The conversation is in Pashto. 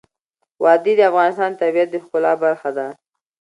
وادي د افغانستان د طبیعت د ښکلا برخه ده.